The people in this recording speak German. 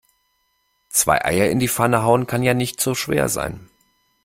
Zwei Eier in die Pfanne hauen kann ja nicht so schwer sein.